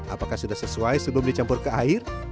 apakah sudah sesuai sebelum dicampur ke air